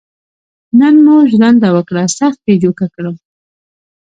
نن مو ژرنده وکړه سخت یې جوکه کړم.